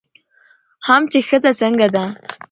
هم چې ښځه څنګه ده